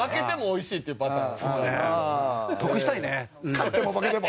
勝っても負けても？